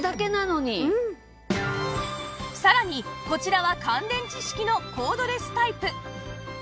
さらにこちらは乾電池式のコードレスタイプ